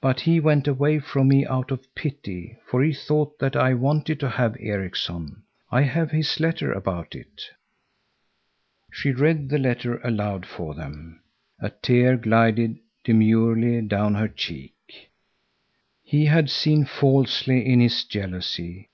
But he went away from me out of pity, for he thought that I wanted to have Erikson. I have his letter about it." She read the letter aloud for them. A tear glided demurely down her cheek. "He had seen falsely in his jealousy.